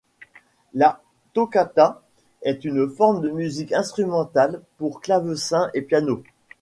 La toccata est une forme de musique instrumentale pour clavecin et piano.